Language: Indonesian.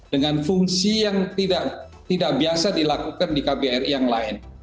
dengan fungsi yang tidak biasa dilakukan di kbri yang lain